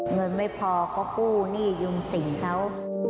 เงินไม่พอเขากู้หนี้ยุงสิ่งเขา